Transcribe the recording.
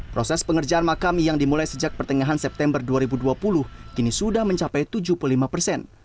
proses pengerjaan makam yang dimulai sejak pertengahan september dua ribu dua puluh kini sudah mencapai tujuh puluh lima persen